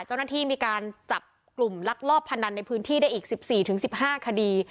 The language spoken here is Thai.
เจ้าหน้าที่มีการจับกลุ่มลักลอบพนันในพื้นที่ได้อีก๑๔๑๕คดี